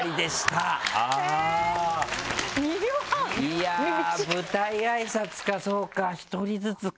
いやぁ舞台挨拶かそうか１人ずつか。